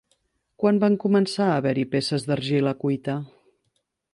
Quan van començar a haver-hi peces d'argila cuita?